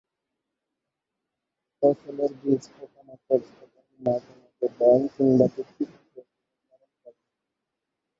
ফসলের বীজ, পোকামাকড় এবং মাঝেমাঝে ব্যাঙ কিংবা টিকটিকি খেয়ে জীবনধারণ করেন।